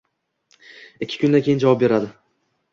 Ikki kundan keyin javob beradi.